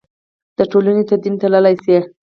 د ټولنې تدین تللای شي.